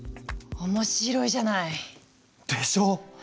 面白いじゃない！でしょ！